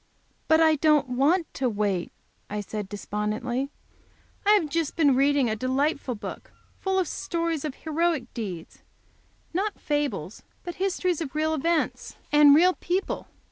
"But I don't want to wait," I said, despondently. "I have just been reading a delightful book, full of stories of heroic deeds not fables, but histories of real events and real people.